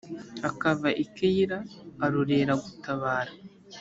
akava i keyila, arorera gutabara